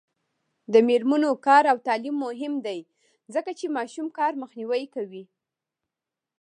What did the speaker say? د میرمنو کار او تعلیم مهم دی ځکه چې ماشوم کار مخنیوی کوي.